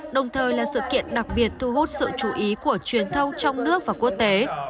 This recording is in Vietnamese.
đồng thời là sự kiện đặc biệt thu hút sự chú ý của truyền thông trong nước và quốc tế